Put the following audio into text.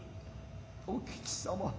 お吉様